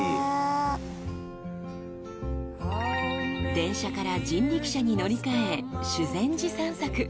［電車から人力車に乗り換え修善寺散策］